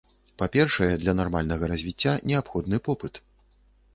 Па-першае, для нармальнага развіцця неабходны попыт.